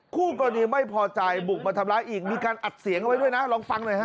คู่กรณีไม่พอใจบุกมาทำร้ายอีกมีการอัดเสียงเอาไว้ด้วยนะลองฟังหน่อยฮะ